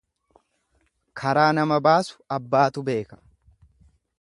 Karaa nama baasu abbaatu beeka.